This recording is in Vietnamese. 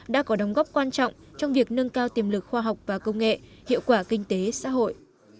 đã có đóng góp quan trọng trong việc nâng cao tiềm lực khoa học và công nghệ hiệu quả kinh tế xã hội